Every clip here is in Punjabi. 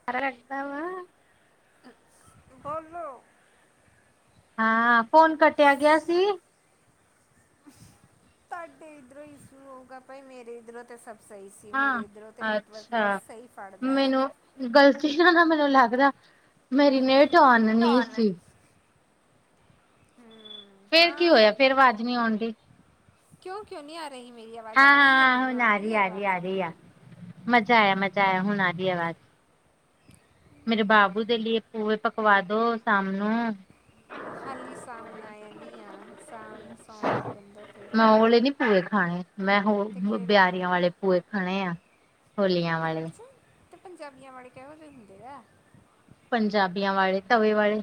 [unintelligible] [unintelligible] ਬੋਲੋ। ਹਾਂ ਫੋਨ ਕੱਟਿਆ ਗਿਆ ਸੀ। ਤੁਹਾਡੇ ਇੱਧਰੋਂ ਇਸੂ ਹੋਊਗਾ ਭਾਈ ਮੇਰੇ ਇੱਧਰੋਂ ਤੇ ਸਭ ਸਹੀ ਸੀ ਹਾਂ ਮੇਰੇ ਇੱਧਰੋਂ ਤਾਂ ਨੈੱਟਵਰਕ ਬਹੁਤ ਅੱਛਾ ਸਹੀ ਫੜਦਾ ਆ। ਮੈਨੂੰ ਗ਼ਲਤੀ ਨਾ ਨਾ ਮੈਨੂੰ ਲੱਗਦਾ ਮੇਰੀ ਨੇਹਤ ਆਣਨੀ ਸੀ। ਹੂੰ ਫੇਰ ਕੀ ਹਾਂ ਹੋਇਆ ਫੇਰ ਆਵਾਜ਼ ਨਹੀਂ ਆਉਣ ਦੀ। ਕਿਉਂ, ਕਿਉਂ ਨਹੀਂ ਆ ਰਹੀ ਮੇਰੀ ਆਵਾਜ਼ ਆ ਰਹੀ ਹੈ ਮੈਨੂੰ ਆ ਰਹੀ ਹੈ ਆਵਾਜ਼। ਸਹੀ ਆ। ਮਜ਼ਾ ਆਇਆ, ਮਜ਼ਾ ਆਇਆ, ਹੁਣ ਆਗੀ ਆਵਾਜ਼। ਮੇਰੇ ਬਾਬੂ ਦੇ ਲਈ ਭੂਏ ਪਕਵਾ ਦੋ ਸਾਮ ਨੂੰ ਹਾਲੀ ਸਾਵਣ ਆਇ ਨੀ ਆ ਸਾਵਣ। ਸੌਣ ਲੱਗਣ ਦੋ ਫਿਰ ਮੈਂ ਉਹ ਵੇਲੇ ਨੀ ਪੂਏ ਖਾਣੇ। ਮੈਂ ਹੋ ਤੇ ਕਿਹੜੇ ਬਿਆਰੀਆਂ ਖਾਣੇ ਵਾਲੇ ਪੂਏ ਖਾਣੇ ਆ, ਹੋਲੀਆਂ ਵਾਲੇ। ਅੱਛਾ ਤੇ ਪੰਜਾਬੀਆਂ ਵਾਲੇ ਕਿਹੋ ਜਿਹੇ ਹੁੰਦੇ ਆ। ਪੰਜਾਬੀਆਂ ਵਾਲੇ ਤਵੇ ਵਾਲੇ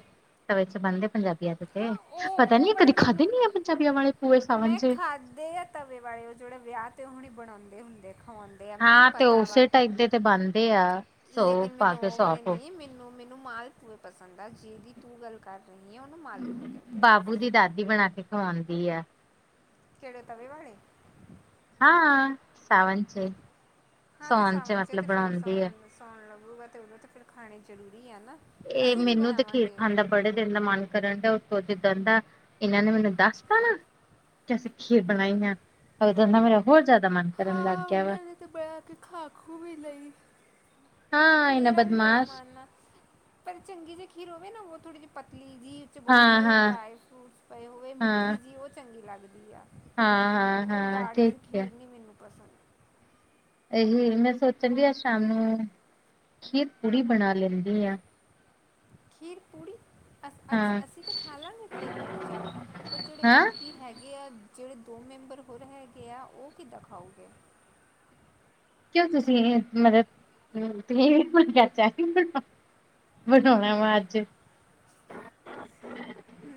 ਤਵੇ ਚ ਬਣਦੇ ਪੰਜਾਬੀ ਤੇ ਹਾਂ ਉਹ ਪਤਾ ਉਹ ਨੀ ਵਾਲੇ ਕਦੇ ਖਾਧੇ ਨੀ ਆ ਪੰਜਾਬੀਆਂ ਵਾਲੇ ਪੂਰੇ ਸਾਵਨ ਚ। ਖਾਧੇ ਤਵੇ ਵਾਲੇ, ਉਹ ਜਿਹੜੇ ਵਿਆਹ ਤੇ ਹਣੇ ਬਣਾਉਂਦੇ ਹੁੰਦੇ, ਖਾਉਂਦੇ। ਹਾਂ, ਤੇ ਉਸੇ ਟਾਈਪ ਦੇ ਤੇ ਬਣਦੇ ਆ। ਸੌ ਲੇਕਿਨ ਪਾ ਮੈਨੂੰ ਕੇ ਉਹ ਵਾਲੇ ਸੌਫ ਨਹੀਂ, ਮੈਨੂੰ ਮੈਨੂੰ ਮਾਲ ਪੂਏ ਪਸੰਦ ਆ ਜਿਹਦੀ ਤੂੰ ਗੱਲ ਕਰ ਰਹੀ ਹੈ ਉਹਨੂੰ ਮਾਲਪੂਏ ਕਹਿੰਦੇ ਆ ਬਾਬੂ ਦੀ ਦਾਦੀ ਬਣਾ ਕੇ ਖਵਾਉਂਦੀ ਹੈ। ਕੇੜੇ, ਤਵੇ ਵਾਲੇ। ਹਾਂ ਸਾਵਨ ਚ, ਸਾਉਣ ਚ ਮਤਲਬ ਬਣਾਉਂਦੀ ਹੈ। ਸੌਉਣ ਲੱਗੂਗਾ, ਤੇ ਉਦੋਂ ਤਾਂ ਫਿਰ ਖਾਣੇ ਜ਼ਰੂਰੀ ਆ ਨਾ। ਇਹ ਅਸੀਂ ਵੀ ਮੈਨੂੰ ਤੇ, ਖੀਰ ਬਣਾਵਾਂਗੇ ਖਾਣ ਦਾ ਬੜ੍ਹੇ ਦਿਨ ਦਾ ਮਨ ਕਰਨ ਡੇ ਯਾ, ਉੱਥੋਂ ਜਿੱਦਾਂ ਦਾ, ਇਹਨਾਂ ਨੇ ਮੈਨੂੰ ਦੱਸ ਪਾਣਾ। ਜੈਸੇ ਸੀਂ ਖੀਰ ਬਣਾਈ ਹੈ, ਔ ਦੇਵਰ ਨਾ ਮੇਰਾ ਹੋਰ ਜ਼ਿਆਦਾ ਮਨ। ਕਰਨ ਲੱਗ ਹਾਂ ਗਿਆ ਵਾ ਮੈਂਨੇ ਤੇ ਬਹਿ ਕੇ, ਖਾ ਖੂ ਵੀ ਲਈ। ਹਾਂ ਇਹਨਾਂ ਮੇਰਾ ਵੀ ਬੜਾ ਬਦਮਾਸ਼ ਮਨ ਐ, ਪਰ ਚੰਗੀ ਜਿ ਖੀਰ ਹੋਵੇ ਨਾ ਉਹ ਥੋੜ੍ਹੀ ਜਿਹੀ ਪਤਲੀ ਜੀ 'ਚ ਬਹੁਤ ਹਾਂ ਸਾਰੇ ਹਾਂ ਡਰਾਈ ਫਰੂਟਸ ਪਏ ਹੋਵੇ, ਹਾਂ ਮਿੱਠੀ ਜਿਹੀ, ਉਹ ਚੰਗੀ ਲੱਗਦੀ ਆ। ਹਾਂ ਹਾਂ ਉਹ ਹਾਂ ਗਾੜੀ ਠੀਕ ਜੀ, ਹੈ ਖੀਰ ਨੀ ਮੈਨੂੰ ਪਸੰਦ ਇਹੀ ਮੈਂ ਸੋਚਾਂਗੀ, ਅੱਜ ਸ਼ਾਮ ਨੂੰ, ਖੀਰ ਪੂੜੀ ਬਣਾ ਲੈਂਦੀ ਹਾਂ। ਖੀਰ ਪੂੜੀ ਅੱਜ, ਹਾਂ ਅਸੀਂ ਤਾਂ ਖਾ ਲਾਂਗੇ ਖੀਰ ਪੂੜੀ ਚੱਲ, ਪਰ ਜਿਹੜੇ ਹਾਂ ਬਾਕੀ ਕੀ ਹੈਗੇ ਆ, ਜਿਹੜੇ ਦੋ ਮੈਂਬਰ ਹੋਰ ਹੈਗੇ ਆ, ਉਹ ਕਿੱਦਾਂ ਖਾਓਗੇ। ਕਿਉਂ ਤੁਸੀਂ ਮਤਲਬ ਕਰ [unintelligible] ਬਣਾਉਣਾ ਵਾ ਅੱਜ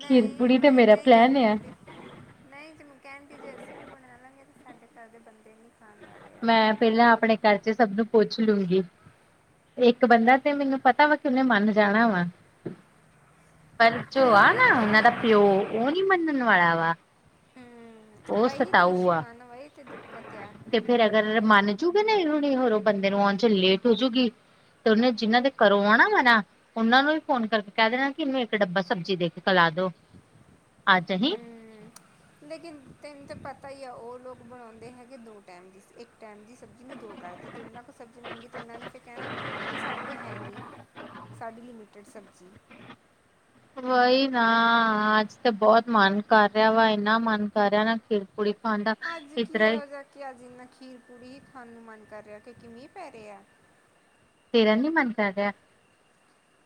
ਖੀਰ ਪੂੜੀ ਤੇ ਮੈਂ ਮੇਰਾ ਏਦਾਂ ਹੀ ਗੱਲ ਪਲੈਨ ਆ ਕਰਨ ਡੀ। ਨਹੀਂ ਜ ਮੈਂ ਕਹਿਣ ਦੀ, ਜੇ ਅਸੀਂ ਵੀ ਬਣਾ ਲਾਂਗੇ ਤਾਂ ਸਾਡੇ ਘਰ ਦੇ ਬੰਦੇ ਨੀ ਖਾਣ ਵਾਲੇ। ਆਂਦੇ ਮੈਂ ਪਹਿਲਾਂ ਆਪਣੇ ਘਰ ਚ, ਸਭ ਨੂੰ ਪੁੱਛ ਲੂੰਗੀ। ਇੱਕ ਬੰਦਾ ਤੇ ਮੈਨੂੰ ਪਤਾ ਵਾ, ਕਿ ਉਹਨੇ ਮੰਨ ਜਾਣਾ ਵਾ। ਪਰ ਜੋ ਆ ਨਾ ਪੂੜੀ ਉਹਨਾਂ ਦਾ ਖੀਰ ਪਿਓ, ਪੂੜੀ ਉਹ ਨੀ ਮੰਨਣ ਵਾਲਾ ਵਾ। ਹੂ ਉਹ ਵਹੀ ਤੇ ਸਤਾਊ ਇਸ਼ੂ ਆ ਨਾ, ਵਹੀ ਤੇ ਦਿੱਕਤ ਆ। ਤੇ ਫੇਰ ਅਗਰ ਮੰਨ ਜੂਗੇ ਨਾ ਹੁਣੀ ਹੋਰੋਂ ਬੰਦੇ ਨੂੰ, ਆਉਣ ਚ ਲੇਟ ਹੋਜੂਗੀ। ਤੇ ਔਨੇ, ਜਿਹਨਾਂ ਦੇ ਕਰੋਂ ਆਉਣਾ ਹੈਣਾ। ਉਹਨਾਂ ਨੂੰ ਵੀ ਫੋਨ ਕਰਕੇ ਕਹਿ ਦੇਣਾ, ਕਿ ਇਹਨੂੰ ਇੱਕ ਡੱਬਾ ਸਬਜ਼ੀ ਦੇ ਕੇ ਖਲਾ ਦੋ, ਅੱਛਾ ਜੀ। ਹੂੰ ਲੇਕਿਨ ਤੈਨੂੰ ਤਾਂ ਪਤਾ ਹੀ ਆ, ਉਹ ਲੋਕ ਬਣਾਉਂਦੇ ਹੈਗੇ ਦੋ ਟਾਈਮ ਦੀ, ਇੱਕ ਟਾਈਮ ਦੀ ਸਬਜ਼ੀ ਨੂੰ ਦੋ ਘਰ ਦੇ ਤੇ ਉਹਨਾਂ ਕੋਲ ਸਬਜ਼ੀ ਮੰਡੀ, ਤੇ ਉਹਨਾਂ ਨੇ ਤੇ ਕਹਿਣਾ, ਵੀ ਸਾਡੇ ਕੋਲ ਹੈ ਨਹੀਂ। ਸਾਡੀ ਲਿਮਿਟਿਡ ਸਬਜ਼ੀ। ਵਹੀ ਨਾ, ਅੱਜ ਤੇ ਬਹੁਤ ਮਨ ਕਰ ਰਿਹਾ ਵਾ, ਇੰਨਾ ਮਨ ਕਰ ਰਿਹਾ ਨਾ, ਕਿ ਕੁੜੀ ਪਾਦਾ ਅੱਜ ਕੀ ਇਧਰ ਹੀ ਇਹੋ [unintelligible] ਜਿਹਾ ਕਿ ਅੱਜ ਇੰਨਾ ਖੀਰ ਪੂੜੀ ਹੀ ਖਾਣ ਨੂੰ ਮਨ ਕਰ ਰਿਹਾ। ਕਿ ਮੀਂਹ ਪੈ ਰਿਹਾ ਆ? ਤੇਰਾ ਨੀ ਮੰਨ ਕਰ ਰਿਹਾ।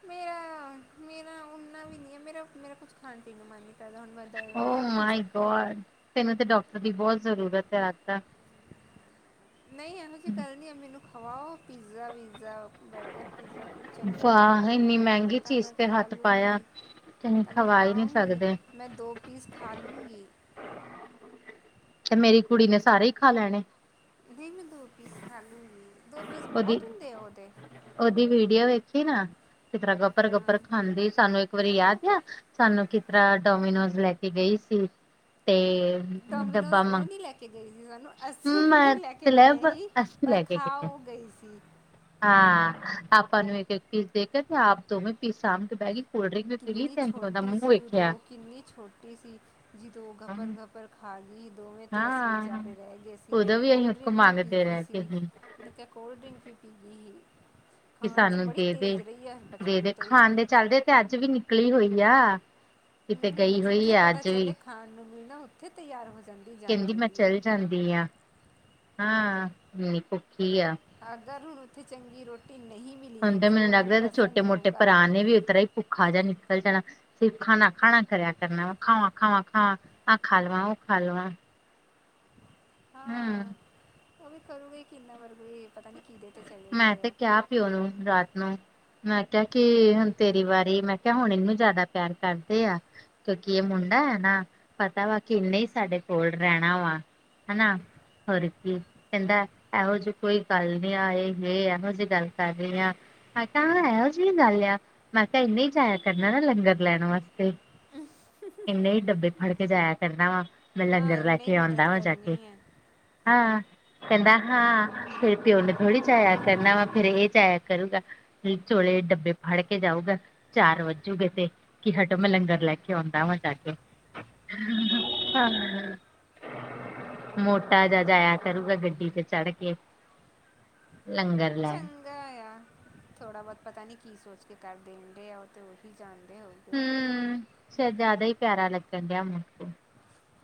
ਮਰਾ ਮੇਰਾ ਉਨਾ ਵੀ ਨਹੀਂ ਹੈ, ਮੇਰਾ ਮੇਰਾ ਕੁਛ ਥਾਂਣ ਤੇ ਮਨ ਨੀ। ਉਹ ਮਾਈ ਗੋਡ, ਤੈਨੂੰ ਤੇ ਡਾਕਟਰ ਦੀ ਬਹੁਤ ਜ਼ਰੂਰਤ ਹੈੱ, ਆਸਥਾ। ਨਹੀਂ ਔ ਨੂ ਕੀ ਕਰਨੀ ਆ, ਮੈਨੂੰ ਖਵਾਓ ਪੀਜ਼ਾ ਵੀਜ਼ਾ ਬਰਗਰ ਪੀਜ਼ਾ, ਕੁਛ ਚੰਰਾ ਬਾਹਰ ਵਾਹ ਇੰਨੀ ਹੁੰਦਾ, ਮਹਿੰਗੀ ਤਾਂ ਚੀਜ਼ ਮੈਂ ਤੇ ਖਾ ਹੱਥ ਪਾਇਆ ਲੂੰਗੀ, ਤੇ ਤਾਂ ਮੈਂ ਖਵਾ ਹੀ ਨਹੀਂ ਖਾਉਂਗੀ। ਸਕਦੇ ਮੈਂ ਦੋ ਪੀਸ ਖਾ ਲੂੰਗੀ। ਤੇ ਮੇਰੀ ਕੁੜੀ ਨੇ ਸਾਰੇ ਹੀ ਖਾ ਲੈਣੇ। ਨਹੀਂ ਮੈਂ ਦੋ ਪੀਸ ਖਾਲੂਗੀ, ਦੋ ਪੀਸ ਬਹੁਤ ਹੁੰਦੇ ਆ ਔ ਦੇ। ਉਹ ਓਦੀ ਵੀਡੀਓ ਵੇਖੀ ਨਾ, ਕਿਸ ਤਰ੍ਹਾਂ ਗੱਪਰ ਹਾਂ ਗੱਪਰ ਖਾਂਦੀ, ਸਾਨੂੰ ਇੱਕ ਵਾਰੀ ਹਾਂ ਯਾਦ ਆ ਸਾਨੂੰ ਕਿਸ ਤਰ੍ਹਾਂ ਡੋਮੀਨੋਜ ਲੈ ਕੇ ਗਈ ਸੀ, ਤੇ ਡੋਮੀਨੋਸ ਡੱਬਾ ਉਹ ਮੰਗ ਨੀ ਲੈ ਕੇ ਗਈ ਸੀ ਸਾਨੂੰ, ਅਸੀਂ ਔਨੂ ਲੈ ਕੇ ਗਏ ਮਤਲਬ ਸੀ। ਅਸੀਂ ਪਰ ਲੈ ਕੇ ਖਾਹ ਗਏ ਔ ਗਈ ਸੀ। ਹਾਂ, ਆਪਾਂ ਨੂੰ ਇੱਕ ਇੱਕ ਪੀਸ ਦੇਖ ਕੇ, ਤੇ ਆਪ ਦੋਵੇਂ ਪੀਸ ਸਾਮ ਕੇ ਬੈ ਗਈ। ਕੋਲਡ ਡਰਿੰਕ ਵੀ ਪੀ ਲਈ ਕਿੰਨੀ ਤੇ ਅਸੀਂ ਉਹਦਾ ਛੋਟੀ ਮੂੰਹ ਸੀ ਉ ਵੇਖਿਆ ਦੋ, ਕਿੰਨੀ ਛੋਟੀ ਸੀ, ਜਿਦੋਂ ਘਬਰ ਹਾਂ ਘਬਰ ਹਾਰਡਲੀ ਦੋਵੇਂ 'ਤੇ ਅਸੀਂ ਵਿਚਾਰੇ ਰਹਿ ਗਏ ਸੀ, ਉਦੋਂ ਵੀ ਅਸੀਂ ਕੋਲਡ ਉਤੋਂ ਡਰਿੰਕ ਵੀ ਪੀ ਮੰਗਦੇ ਗਈ ਰਹੇ ਕਿ ਸੀ। ਅਸੀਂ [unintelligible] ਤਾਂ ਕੋਲਡ ਡ੍ਰਿੰਕ ਵੀ ਪੀ ਗਈ ਸੀ। ਕਿ ਖਾਣ 'ਚ ਸਾਨੂੰ ਬੜੀ ਦੇ ਦੇ ਤੇਜ਼ ਰਹੀ ਆ ਦੇ ਬਚਪਨ ਦੇ ਤੋਂ ਹੀ ਖਾਣ ਦੇ ਚੱਲਦੇ ਤੇ ਅੱਜ ਵੀ ਨਿਕਲੀ ਹੋਈ ਆ ਕਿਤੇ ਹਮ ਗਈ ਹੋਈ ਜਿੱਥੇ ਆ ਪਤਾ ਅੱਜ ਚੱਲੇ ਵੀ ਖਾਣ ਨੂੰ ਮਿਲਣਾ ਉੱਥੇ ਤਿਆਰ ਹੋ ਜਾਂਦੀ ਕਹਿੰਦੀ ਜਾਂਦੀ ਮੈਂ ਵੀ ਐ। ਚੱਲ ਜਾਂਦੀ ਆ। ਹਾਂ, [unintelligible] ਭੁੱਖੀ ਆ। ਅਗਰ ਹੁਣ ਉੱਥੇ ਚੰਗੀ ਰੋਟੀ ਨਹੀਂ [unintelligible] ਮਿਲੀ ਜੋ ਮੈਨੂੰ ਉਹਨੂੰ ਲੱਗਦਾ ਛੋਟੇ ਪਸੰਦ ਮੋਟੇ ਹੋਊਗਾ ਭਰਾ ਨੇ ਵੀ ਉਤਰਾ ਹੀ ਭੁੱਖਾ ਜਾ ਨਿਕਲ ਜਾਣਾ। ਸਿਰਫ਼ ਖਾਣਾ ਖਾਣਾ ਕਰਿਆ ਕਰਨਾ। ਖਾਵਾ-ਖਾਵਾ, ਖਾਵਾ ਆ ਖਾ ਲਵਾ ਉਹ ਖਾ ਲਵਾ। ਹਾਂ, ਉਹ ਵੀ ਕਰੂਗੇ ਕਿੰਨਾ ਵਰਗੇ ਪਤਾ ਨੀ ਕੀ ਦੇ ਮੈਂ ਤੇ ਕਿਹਾ ਪਿਓ ਨੂੰ ਰਾਤ ਨੂੰ ਮੈਂ ਕਿਹਾ ਕਿ ਹੁਣ ਤੇਰੀ ਵਾਰੀ ਮੈਂ ਕਿਹਾ ਹੁਣ ਇਹਨੂੰ ਜ਼ਿਆਦਾ ਪਿਆਰ ਕਰਦੇ ਆ। ਕਿਉਂਕਿ ਇਹ ਮੁੰਡਾ ਐ ਨਾ ਪਤਾ ਵਾ ਕੀ ਏਨੇ ਹੀ ਸਾਡੇ ਕੋਲ ਰਹਿਣਾ ਵਾ। ਹਨਾ ਹੋਰ ਕੀ ਕਹਿੰਦਾ ਇਹੋ ਜੀ ਕੋਈ ਗੱਲ ਨਾ ਆਏ। ਇਹ ਇਹੋ ਜੀ ਗੱਲ ਕਰ ਰਹੀ ਆ। ਮੈਂ ਕਿਹਾ ਹਾਂ, ਇਹੋ ਜਿਹੀ ਗੱਲ ਆ ਮੈਂ ਕਿਹਾ ਇੰਨੇ ਹੀ ਜਾਇਆ ਕਰਨਾ ਨਾ ਲੰਗਰ ਲੈਣ ਵਾਸਤੇ। ਇੰਨੇ ਹੀ ਡੱਬੇ ਫੜ ਕੇ ਜਾਇਆ ਕਰਨਾ ਵਾ ਮੈਂ ਹਾਂ ਲੰਗਰ ਲੈ ਇੰਨਾ ਹੀ ਕੇ ਆਉਂਦਾ ਮਦਦ ਵਾ ਜਾ ਕੇ। ਕਰਨੀ ਹੈ ਹਾਂ, ਕਹਿੰਦਾ ਹਾਂ, ਤੇਰੇ ਪਿਓ ਨੇ ਥੋੜੀ, ਏ ਚ ਆਇਆ ਕਰਨਾ ਵਾ ਫੇਰ ਇਹ ਚ ਆਇਆ ਕਰੂਗਾ ਫਿਰ ਚੋਲੇ ਡੱਬੇ ਫੜ ਕੇ ਜਾਊਗਾ। ਚਾਰ ਵੱਜੂਗੇ ਤੇ ਕੀ ਹਟੋ ਮੈਂ ਲੰਗਰ ਲੈ ਕੇ ਆਉਂਦਾ ਵਾ ਜਾ ਕੇ। [unintelligible] ਮੋਟਾ ਜਾ ਜਾਇਆ ਕਰੂਗਾ ਗੱਡੀ ਚ ਚੜ ਕੇ ਲੰਗਰ ਲੈਣ ਚੰ ਗਾ ਹੋਇਆ ਥੋੜਾ ਬਹੁਤ ਪਤਾ ਨੀ ਕੀ ਸੋਚ ਕੇ ਕਰ ਦੇਣ ਦੇ ਆ ਉਹ ਤੇ ਉਹੀ ਜਾਣਦੇ ਹੋਊਗੇ ਸਿਰ ਜ਼ਿਆਦਾ ਹੀ ਪਿਆਰਾ ਲੱਗਣ ਡਿਆ ਮੋਟੂ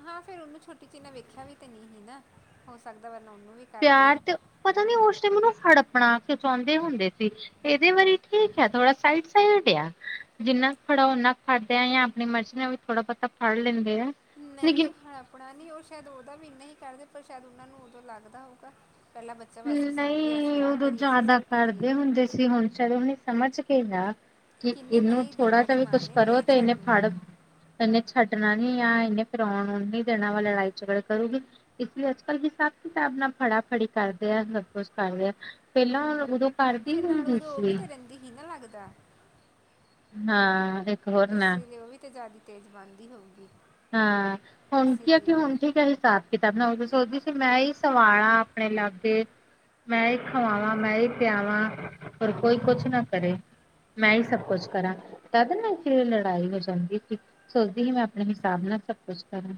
ਹਾਂ, ਫੇਰ ਉਹਨੂੰ ਛੋਟੀ ਜੀ ਨਾ ਵੇਖਿਆ ਵੀ ਤੇ ਨਹੀਂ ਸੀ ਨਾ ਹੋ ਸਕਦਾ ਵਰਨਾ ਉਹਨੂੰ ਵੀ ਕਰਦੇ ਪਿਆਰ ਹੀ ਤੇ ਪਤਾ ਨੀ ਉਸ ਟਾਈਮ ਉਹਨੂੰ ਹੜੱਪਣਾ ਕਿਉਂ ਚਾਹੁੰਦੇ ਹੁੰਦੇ ਸੀ ਇਹਦੇ ਵਾਰੀ ਠੀਕ ਆ ਥੋੜਾ ਸਾਈਡ ਸਾਈਡ ਆ ਜਿੰਨਾ ਕੁ ਫੜਾ ਓਨਾ ਕੁ ਫੜਦੇ ਆ ਜਾਂ ਆਪਣੀ ਮਰਜ਼ੀ ਨਾਲ ਵੀ ਥੋੜਾ ਬਹੁਤਾ ਫੜ ਲੈਂਦੇ ਆ ਲੇਕਿਨ ਨਹੀਂ, ਹੜੱਪਣਾ ਨਹੀਂ ਉਹ ਸ਼ਾਇਦ ਓਦਾਂ ਵੀ ਇੰਨਾ ਹੀ ਕਰਦੇ ਪਰ ਸ਼ਾਇਦ ਉਹਨਾਂ ਨੂੰ ਉਦੋਂ ਲੱਗਦਾ ਹੋਊਗਾ। ਪਹਿਲਾ ਬੱਚਾ ਵਾ ਅਸੀਂ ਸੰਭੀਏ ਅਸੀਂ ਨਹੀਂ, ਆ ਉਦੋਂ ਕਰੀਏ ਅਸੀਂ ਜ਼ਿਆਦਾ ਸਭ ਕਰੀਏ ਕਰਦੇ ਹੁੰਦੇ ਸੀ ਹੁਣ ਸ਼ਾਇਦ ਉਹਨੇ ਸਮਝ [unintelligible] ਕਿ ਕਿੰਨੇ ਇਹਨੂੰ ਨਹੀਂ ਥੋੜਾ ਦੇਣਾ ਜਿਹਾ ਦੀ ਵੀ ਮਾਂ ਕੁਛ ਨੇ ਕਰੋ ਨਹੀਂ ਤੇ ਇਹਨੇ ਛੱਡਣਾ ਫੜ ਇਹਨੇ ਛੱਡਣਾ ਨੀ ਆ ਇਹਨੇ ਫਿਰ ਆਉਣ ਨੀ ਦੇਣਾ ਵਾ ਲੜਾਈ ਝਗੜਾ ਕਰੂਗੀ। ਇਸ ਲਈ ਅੱਜ ਕੱਲ੍ਹ ਹਿਸਾਬ ਕਿਤਾਬ ਨਾ ਫੜਾਫੜੀ ਕਰਦ ਦਾ ਸਭ ਕੁਛ ਕਰ ਰਿਹਾ ਪਹਿਲਾਂ ਉਦੋਂ ਕਰਦੀ ਹੁੰਦੀ ਸੀ ਜੀ ਨੀ ਨਾ ਲੱਗਦਾ ਹਾਂ ਹੋਰ ਨਾ ਇਸੇ ਲਈ ਉਹ ਵੀ ਤਾਂ ਜ਼ਿਆਦਾ ਤੇਜ਼ ਬਣਦੀ ਹੋਊਗੀ ਹਾਂ, ਹੁਣ ਇਸ ਲਈ ਕੀ ਆ ਕਿ ਹੁਣ [unintelligible] ਵੀ। ਕਿਤਾ ਬਣਾਉਗੀ ਸੋਚਦੀ ਸੀ ਮੈਂ ਹੀ ਸਵਾਨਾ ਆਪਣੇ ਲਾਗੇ ਮੈਂ ਹੀ ਖਾਵਾਂਵਾ ਮੈਂ ਹੀ ਪਿਆਵਾਂ ਹੋਰ ਕੋਈ ਕੁਛ ਨਾ ਕਰੇ ਮੈਂ ਹੀ ਸਭ ਕੁਛ ਕਰਾਂ [unintelligible] ਲੜਾਈ ਹੋ ਜਾਂਦੀ ਸੀ ਸੋਚਦੀ ਸੀ ਮੈਂ ਆਪਣੇ [unintelligible] ਸਭ ਕੁਛ ਕਰਾ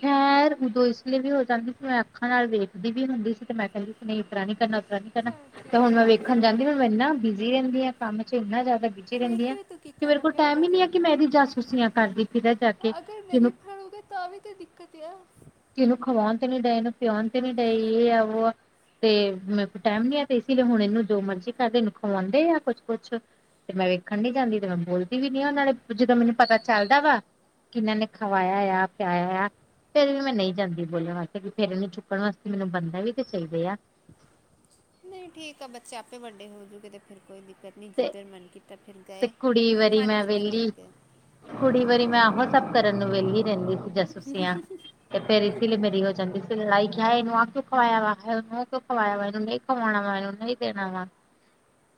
ਖੈਰ ਉਦੋਂ ਇਸ ਲਈ ਵੀ ਹੋ ਜਾਂਦੀ ਸੀ। ਮੈਂ ਅੱਖਾਂ ਨਾਲ ਵੇਖਦੀ ਵੀ ਹੁੰਦੀ ਸੀ, ਤੇ ਮੈਂ ਕਹਿੰਦੀ ਸੀ ਨਹੀਂ ਇਤਰਾਂ ਨੀ ਕਰਨਾ ਉੱਤਰਾਂ ਨੀ ਚਲ ਤੇ ਹੁਣ ਠੀਕ ਮੈਂ ਆ ਵੇਖਣ ਜਾਂਦੀ ਹੁਣ ਓ ਇੰਨਾ ਬਿਜ਼ੀ ਰਹਿੰਦੀ ਆ ਕੰਮ ਚ ਇੰਨਾ ਜ਼ਿਆਦਾ ਬਿ ਜੀ ਵੇਖ ਰਹਿੰਦੀ ਆ, ਕੇ ਤੂੰ ਕੀ ਤੇ ਮੇਰੇ ਕਰਨਾ ਕੋਲ ਫਿਰ ਅਗਰ ਟਾਈਮ ਈ ਨੀ ਜੇ ਐ ਕਿ ਮੈਂ ਇਹਦੀ ਜਾਸੂਸੀਆਂ ਕਰਦੀ ਫਿਰਾ ਜਾ ਕੇ ਅਗਰ ਕੀ ਇ ਨਹੀਂ ਫੜੋਗੇ ਤਾਂ ਵੀ ਤੇ ਦਿੱਕਤ ਆ ਕਿ ਇਹਨੂੰ ਖਵਾਉਣ ਤੇ ਨੀ ਦੇਨ ਇਹਨੂੰ ਪਿਉਣ ਤੇ ਨੀ ਦੇਇਏ ਇਹ ਆ ਵੋ ਤੇ ਮੇਰੇ ਪੇ ਟਾਈਮ ਨੀ ਆ ਤੇ ਇਸ ਲਈ ਹੁਣ ਇਹਨੂੰ ਜੋ ਮਰਜ਼ੀ ਕਰਦੇ ਖਵਾਉਂਦੇ ਆ ਕੁਛ ਕੁਛ ਤੇ ਮੈਂ ਵੇਖਣ ਨੀ ਜਾਂਦੀ ਤੇ ਮੈਂ ਬੋਲਦੀ ਵੀ ਨੀ ਆ ਉਹ ਨੇ ਜਦੋਂ ਮੈਨੂੰ ਪਤਾ ਚੱਲਦਾ ਵਾ ਕਿ ਮੈਨੂੰ ਖਵਾਇਆ ਆ ਪਿਆਇਆ ਆ ਫੇਰ ਵੀ ਮੈਂ ਨਹੀਂ ਜਾਂਦੀ ਬੋਲਣ ਵਾਸਤੇ ਫੇਰ ਇਹਨੂੰ ਚੁੱਕਣ ਵਾਸਤੇ ਮੈਨੂੰ ਬੰਦਾ ਵੀ ਤੇ ਚਾਹੀਦਾ ਆ ਨਹੀਂ ਠੀਕ ਆ ਬੱਚੇ ਆਪੇ ਵੱਡੇ ਹੋਜੂਗੇ ਤੇ ਫਿਰ ਕੋਈ ਦਿੱਕਤ ਨਹੀਂ ਤੇ, ਜਿੱਧਰ ਮਨ ਕੀਤਾ ਫਿਰ ਤੇ ਗਏ ਕੁੜੀ ਵਾਰੀ ਮਨ ਮੈਂ ਕੀਤਾ ਨਹੀਂ ਵਿਹਲੀ ਗਏ ਕੁੜੀ ਵਾਰੀ ਮੈਂ ਉਹਹੋ ਸਭ ਕਰਨ ਨੂੰ ਵਿਹਲੀ ਰਹਿੰਦੀ ਸੀ ਜਾਸੂਸੀਆਂ ਤੇ ਫੇਰੀ ਇਸੀਲਇ ਮੇਰੀ ਹੋ ਜਾਂਦੀ ਸੀ ਲੜਾਈ ਕਿਹਾ ਹੈ ਇਹਨੂੰਹ ਕਿਉਂ ਖਵਾਇਆ ਵਾ ਹੈ ਇਹਨੂੰ ਕਿਉਂ ਖਵਾਇਆ ਵਾ ਇਹਨੂੰ ਕਮਾਉਣਾ ਵਾ ਉਹਨੂੰ ਹੀ ਦੇਣਾ ਵਾ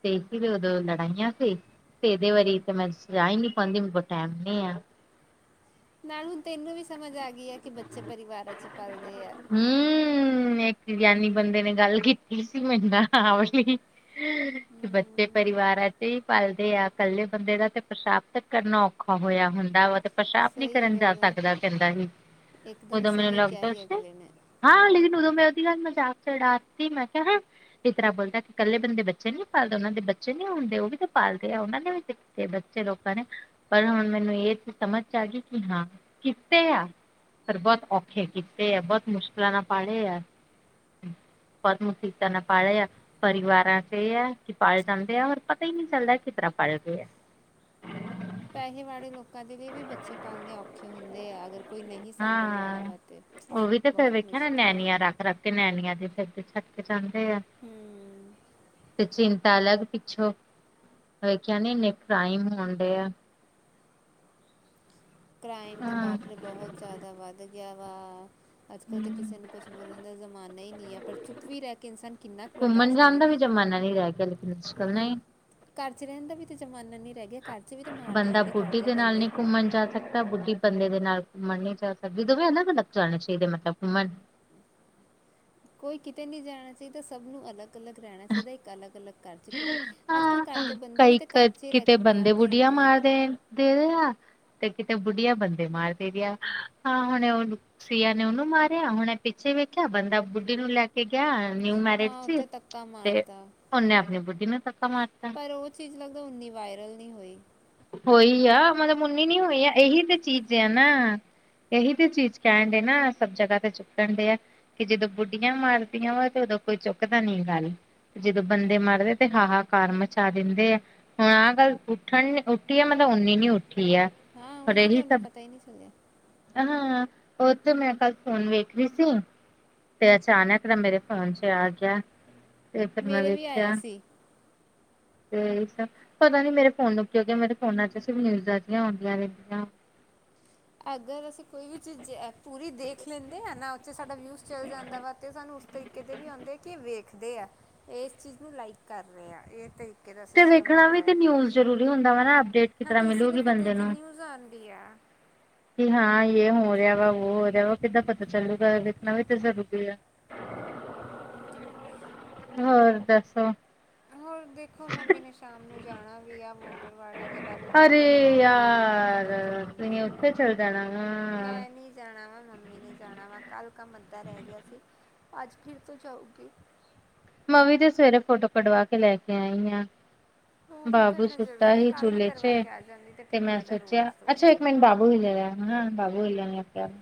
ਤੇ ਉਦੋਂ ਲੜਾਈਆਂ ਸੀ ਤੇ ਇਹਦੇ ਵਾਰੀ ਤੇ ਮੈਂ ਸਜਾ ਨਈ ਪਾਉਂਦੀ ਮੇਰੇ ਕੋ ਟੈਮ ਨ ਆ [inaudible] ਨਾਲ ਹੁਣ ਤੇਨੂੰ ਵੀ ਸਮਝ ਆ ਗਈ ਆ ਕਿ ਬੱਚੇ ਪਰਿਵਾਰਾਂ ਚ ਪਲਦੇ ਆ ਹਮ ਇੱਕ ਗਿਆਨੀ ਬੰਦੇ ਨੇ ਗੱਲ ਕੀਤੀ ਸੀ ਮੇਰੇ ਨਾਲ ਆ ਵਾਂ ਲੀ ਹਮ ਬ ਪਰਿਵਾਰਾਂ ਚ ਹੀ ਪਲਦੇ ਆ ਇਕੱਲੇ ਬੰਦੇ ਦਾ ਤੇ ਪਸ਼ਾਾਬ ਕਰਨਾ ਔਖਾ ਹੋਇਆ ਹੁੰਦਾ ਵ ਤੇ ਪਸ਼ਾਾਬ ਨਹੀਂੀ ਸਹੀ ਕਰਨ ਜਾ ਗੱਲ ਆ। ਸਕਦਾ ਕਹਿੰਦਾ ਸੀ ਇੱਕਦਮ ਉਦੋਂ ਮੈਨੂੰ ਸਹੀ ਕਿਹਾ ਲੱਗਦਾ ਹੀ ਉਸੇ ਅਗਲੇ ਨੇ ਹਾਂ ਲੇਿਨ ਉਦੋਂ ਮੈਂ ਉਹਦੀ ਗੱਲ ਮਜ਼ਾਕ ਚੜਾਤੀ ਮੈਂ ਕਿਹਾ ਫਿਰ ਤਰਾ ਬੋਲਦਾ ਇਕੱਲੇ ਬੰਦੇ ਬੱਚੇ ਨੀ ਪਾਲ ਉਹਨਾਂ ਦੇ ਬੱਚੇ ਨੀ ਹੁੰਦੇ ਉਹ ਵੀ ਤਾਂ ਪਾਲਦੇ ਆ ਉਹਨਾਂ ਨੇ ਵੀਤੇ ਬੱਚੇ ਲੋਕਾਂ ਨੇ ਪਰ ਹੁਣ ਮੈਨੂੰ ਇਹ ਚ ਸਮਝ ਆ ਗਈ ਕਿ ਹਾਂ ਕਿਥੇ ਆ ਫ ਬਹੁਤ ਔਖੇ ਕੀਤੇ ਹੈ ਬਹੁਤ ਮੁਸ਼ਕਿਲਾਂ ਨਾਲ ਪਾਾਲੇ ਏ ਬਹੁਤ ਮੁਸੀਬਤਾਂ ਨਾ ਪਾਲੇ ਯ ਪਰਿਵਾਰਾਂ ਚ ਇਹ ਹੈ ਕਿ ਪਲ ਜਾਂਦੇ ਆ ਔਰ ਪਤਾ ਹੀ ਨਹੀਂ ਚੱਲਦਾ ਕਿਸ ਤਰ੍ਹਾਂ ਪਲ ਗਏ ਹੈ ਪੈਸੇ ਵਾਲੇ ਲੋਕਾਂ ਦੇ ਲਈ ਵੀ ਬੱਚੇ ਪਾਲਣੇੇ ਔਖੇ ਹੁੰਦੇ ਆ ਅਗਰ ਕੋਈ ਨਹੀਂ ਸਾਂਭਣ ਵਾਲਾ ਹਾਂ ਵਾ ਤਾਂ ਉਹ ਵੀ ਬਹੁਤ ਮੁਸ਼ਕਿਲ ਹੈ ਤੇ ਨੰਨਿਆ ਦੇ ਸਿਰ ਤੇ ਛੱਡ ਕੇ ਜਾਂਦੇ ਆ ਹੂੰ ਬੱਚੇ ਨੂੰ ਤਾਂ ਅਲੱਗ ਪਿੱਛੋਂ ਵੇਖਿਆ ਨ ਇੰਨੇ ਕ੍ਰਾਈਮ ਹੋਣ ਦੇ ਆ ਕ੍ਰਾਈਮ 'ਤੇ ਹਾਂ ਬਾਪਰੇ ਬਹੁਤ ਜ਼ਿਆਦਾ ਵੱਧ ਗਿਆ ਵਾ ਅੱਜ ਕੱਲ੍ਹ ਤਾਂ ਕਿਸੇ ਨੂੰ ਕੁਛ ਬੋਲਣ ਦਾ ਜ਼ਮਾਨਾ ਹੀ ਨਹੀਂ ਹੈ ਪਰ ਚੁੱਪ ਵੀ ਰਹਿ ਕੇ ਇਨਸਾਨ ਕਿੰਨਾ ਕੁ ਘੁੰਮਣ ਬਰਦਾਸ਼ਤ ਜਾਣ ਕਰੇ ਦਾ ਵੀ ਜਮਨਾ ਨਹੀਂ ਰਹਿ ਗਿਆ ਲੇਕਿਨ ਮੁਸ਼ਕਲ ਨ ਘਰ ਚ ਰਹਿਣ ਦਾ ਵੀ ਤੇ ਜ਼ਮਾਨਾ ਨੀ ਰਹਿ ਗਿਆ ਘਰ ਚ ਵੀ ਤੇ ਮਾਰ ਬੰਦਾ ਦੇਣ ਬੁੱਢੀ ਕਰਦੇ ਦੇ ਨਾਲ ਬੰਦੇ ਨਹੀਂ ਘੁੰਮਣ ਜਾ ਸਕਦਾ ਤਾਂ ਬੁੱਢੀ ਬੰਦੇ ਦੇ ਨਾਲ ਘੁੰਮਣ ਨੀ ਜਾ ਸਕਦੀ ਦੋਵੇਂ ਅਲੱਗ ਅਲੱਗ ਜਾਣੇ ਚਾਹੀਦੇ ਮਤਲਬ ਘੁੰਮਣ ਕੋਈ ਕਿਤੇ ਨਹੀਂੀ ਜਾਣਾ ਚਾਹੀਦਾ ਸਭ ਨੂੰ ਅਲੱਗ ਅਲੱਗ ਰਹਿਣਾ ਚਾਹੀਦਾ ਇੱਕ ਅਲੱਗ ਅਲੱਗ ਘਰ ' ਕਿਉਂਕਿ ਅੱਜ ਕੱਲ੍ਹ ਘਰ ਹਾਂ ਦੇ ਬੰਦੇ ਵੀ ਕਈ ਤਾਂ ਕ ਘਰ ਚ ਰਹਿ ਕਿਤੇ ਕੇ ਮਾਰ ਬੰਦੇ ਬੁੱਢੀਆਂ ਦੇਦੇ ਆ ਮਾਰਦੇ ਦੇ ਰਿ ਆ ਤੇ ਕਿਤੇ ਬੁੱਢੀਆਂ ਬੰਦੇ ਮਾਰ ਦੇ ਰਿ ਆ ਹਾਂ ਹੁਣੇ ਉਹਨੂੰ ਸੀਆ ਨੇ ਉਹਨੂੰ ਮਾਰਿਆ ਹੁਣੇ ਪਿੱਛੇ ਵੇਖਿਆ ਬੰਦਾ ਬੁੱਢੀ ਨੂੰ ਲੈ ਕੇ ਗਿਆ ਨਿਊ ਮੈਰਿਜ ਹਾਂ ਚ ਉੱਥੇ ਤੱਕਾ ਤੇ ਮਾਰਤਾ ਉਹਨੇ ਬੁੱਢੀ ਨੇ ਪਕਾ ਮਾਰ ਤਾ ਪਰ ਉਹ ਚੀਜ਼ ਲੱਗਦਾ ਉੰਨੀ ਵਾਇਰਲ ਨਹੀਂ ਹੋਈ ਹੋਈ ਆ ਮਤਲਬ ਉਨੀ ਨੀ ਹੋਈ ਆ ਇਹੀ ਤੇ ਚੀਜ਼ ਆ ਨਾ ਇਹੀ ਤੇ ਚੀਜ਼ ਕਹਿਣ ਦੇ ਨਾ ਸਭ ਜਗ੍ਹਾ ਤੇ ਚੁੱਕਣ ਦੇ ਆ ਕਿ ਜਦੋਂ ਬੁੱਡੀਆਂ ਮਾਰਦੀਆਂ ਵਾ ਤੇ ਉਦੋਂ ਕੋਈ ਚੁੱਕਦਾ ਨਹੀਂ ਗਲ ਜਦੋਂ ਬੰਦੇ ਮਰਦੇ ਤੇ ਹਾਹਾ ਕਾਰ ਮਚਾ ਦਿੰਦੇ ਆ ਹੁਣ ਆਹ ਗੱਲ ਉੱਠਣ ਉੱਠੀ ਆ ਮਤਲਬ ਓਨੀ ਨੀ ਉੱਠੀ ਆ ਹਾਂ ਉਵੇ ਔਰ ਤੇ ਇਹੀ ਕਿਓਨਾ ਸਭ ਪਤਾ ਹੀ ਨਹੀਂ ਸੁਣਿਆ ਹਾਂ ਉਹ ਤੇ ਮੈਂ ਕੱਲ ਫੋਨ ਵੇਖ ਰਹੀ ਸੀ ਤੇ ਅਚਾਨਕ ਤਾਂ ਮੇਰੇ ਫੋਨ ਚ ਆ ਗਿਆ ਤੇ ਫਿਰ ਮੈਂ ਮੇਰੇ ਵੀ ਆਇਆ ਸੀ ਇਹੀ ਸਭ, ਤੇ ਪਤਾ ਨੀ ਮੇਰੇ ਫੋਨ ਨੂੰ ਕਿਉਂਕਿ ਮੇਰੇ ਫੋਨਾਂ ਚ ਸਿਰਫ ਨਿਊਜ਼ਾਂ ਜਿਆਆਉਦੀਆਂ ਰਹਿੰਦੀਆਂ ਅਗਰ ਅਸੀਂ ਕੋਈ ਵੀ ਚੀਜ਼ ਪੂਰੀ ਦੇਖ ਲੈਂਦੇ ਆ ਨਾ ਉੱਥੇ ਸਾਡਾ ਵਿਊਜ਼ ਚੱਲ ਜਾਂਦਾ ਵਾ ਤੇ ਸਾਨੂੰ ਤੁਸੀ ਕਿਤੇ ਵੀ ਆਉਂਦੇ ਆ ਕਿ ਇਹ ਵੇਖਦੇ, ਆ ਇਸ ਚੀਜ਼ ਨੂੰ ਲਾਈਕ ਕਰ ਰਹੇ ਆ ਇਹ ਤੇ ਤੇ ਵੇਖਣਾ ਵੀ ਤੇ ਨਿਊਜ਼ ਜ਼ਰੂਰੀ ਹੁੰਦਾ ਵਾ ਨਾ ਅਪਡੇਟ ਕਿਸ ਹਾਂ ਤਰਾ ਤੇ ਇਸੇ ਲਈ ਮਿਲੂਗੀ ਫਿਰ ਤੇ ਬੰਦੇ 'ਚ ਨੂੰ। ਨਿਊਜ਼ ਆਂਦੀ ਆ। ਕਿ ਹਾਂ ਇਹ ਹੋ ਰਿਹਾ ਵਾ ਉਹ ਹੋ ਰਿਹਾ ਵਾ ਕਿੱਦਾਂ ਪਤਾ ਚੱਲੂਗਾ ਵੇਖਣਾ ਵੀ ਤਾਂ ਜ਼ਰੂਰੀ ਆ ਹਮ ਹਮ ਹੋਰ ਦੱਸੋ ਹੋਰ ਦੇਖੋ ਮੰਮੀ ਨੇ ਸ਼ਾਮ ਨੂੰ ਜਾਣਾ ਵੀ ਆ ਮੌਲ ਵਾਲਿਆਂ ਦੇ ਵੱਲ ਉੱਧਰੋਂ ਅਰੇ ਕਦੋਂ ਆਉਗੀ ਉੱਧਰ ਯਾਰ ਕਦੋਂ ਤੁਸੀਂ ਜਾਊਗੀ ਉੱਥੇ ਚੱਲ ਜਾਣਾ ਵਾ। ਮੈਂ ਨੀ ਜਾਣਾ ਵਾ ਮੰਮੀ ਨੇ ਜਾਣਾ ਵਾ ਕੱਲ ਕ ਮੱਦਾ ਰਹਿ ਗਿਆ ਸੀ ਅੱਜ ਫਿਰ ਤੋਂ ਜਾਊਗੀ ਮੈਂਵੀ ਤੇ ਸਵੇਰੇ ਫੋਟੋ ਕਢਵਾ ਕੇ ਲੈ ਕੇ ਆਈ ਹਾਂ ਉਹ ਵੀ ਬਾਬੂ ਕਰਨਾ ਸੁੱਤਾ ਜ਼ਰੂਰੀ ਹੀ ਕੱਲ੍ਹ ਝੂਲੇ ਚ, ਕਰਵਾ ਕੇ ਆ ਜਾਂਦੀ ਤਾਂ ਤੇ ਠੀਕ ਮੈਂ ਰਹਿੰਦਾ ਸੋਚਿਆ ਅੱਛਾ ਰੋਜ਼-ਰੋਜ਼। ਮੇਨ ਬਾਬੂ ਹ ਜਾ ਹਾਂ ਬਾਬੂ ਹ ਜਾਿਆ [unintelligible]